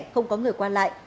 không có người quan lại